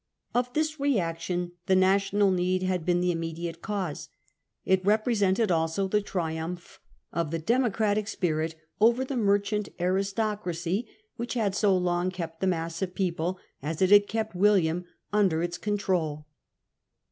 ^ Of this reaction the national need had been the im mediate cause. It represented, also, the triumph of the Murder democratic spirit over the merchant aristo DeWitts cracy, which had so long kept the mass of the August 2o, people, as it had kept William, under its con *672, trol.